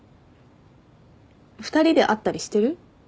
２人で会ったりしてる？